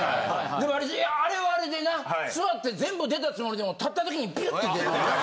でもあれはあれでな座って全部出たつもりでも立った時にピュッて出るもんな。え！